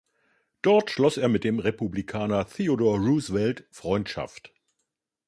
Dort schloss er mit dem Republikaner Theodore Roosevelt Freundschaft.